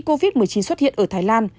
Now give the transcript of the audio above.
covid một mươi chín xuất hiện ở thái lan